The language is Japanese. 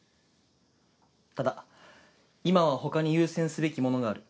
ただ今は他に優先すべきものがある。